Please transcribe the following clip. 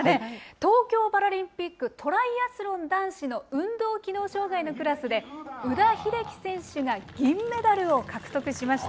東京パラリンピックトライアスロン男子の運動機能障害のクラスで宇田秀生選手が銀メダルを獲得しました。